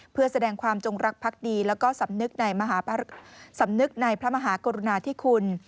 เพื่อแสดงความจงรักภักดีและสำนึกในพระมหากรุณาที่คุณ